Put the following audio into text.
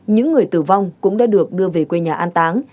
những người tử vong cũng đã được đưa về quê nhà an táng